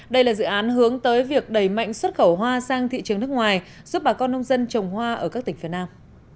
đây là dự án hướng tới việc đẩy mạnh xuất khẩu hoa sang thị trường nước ngoài giúp bà con nông dân trồng hoa ở các tỉnh phía nam